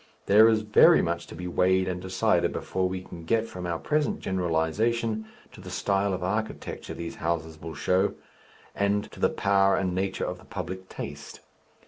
There is very much to be weighed and decided before we can get from our present generalization to the style of architecture these houses will show, and to the power and nature of the public taste.